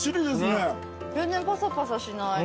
全然パサパサしない。